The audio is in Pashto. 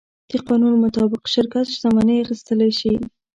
د قانون مطابق شرکت شتمنۍ اخیستلی شي.